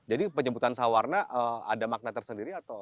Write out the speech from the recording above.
jadi penyebutan sawarna ada makna tersendiri atau